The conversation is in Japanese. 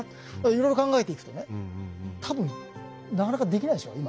いろいろ考えていくとね多分なかなかできないでしょう